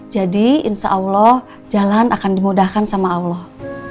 jadi insya allah jalan akan dimudahkan sama allah